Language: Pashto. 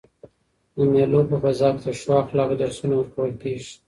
د مېلو په فضا کښي د ښو اخلاقو درسونه ورکول کیږي.